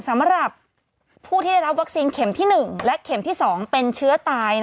สำหรับผู้ที่ได้รับวัคซีนเข็มที่๑และเข็มที่๒เป็นเชื้อตาย